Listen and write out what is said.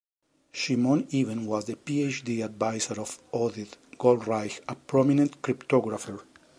Shimon Even was the PhD advisor of Oded Goldreich, a prominent cryptographer.